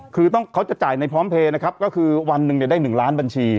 คือเขาจะจ่ายในพร้อมเพลย์นะครับก็คือวันหนึ่งเนี่ยได้๑ล้านบัญชี